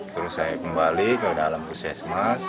terus saya kembali ke dalam puskesmas